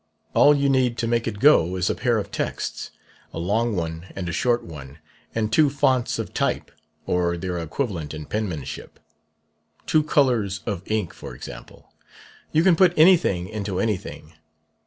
'All you need to make it go is a pair of texts a long one and a short one and two fonts of type, or their equivalent in penmanship. Two colors of ink, for example. You can put anything into anything.